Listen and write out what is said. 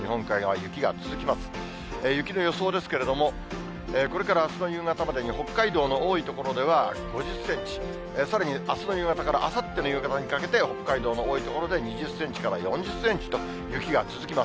雪の予想ですけれども、これからあすの夕方までに北海道の多い所では５０センチ、さらにあすの夕方からあさっての夕方にかけて、北海道の多い所で２０センチから４０センチと、雪が続きます。